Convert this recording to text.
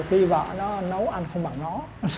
khi vợ nó nấu ăn không bằng nó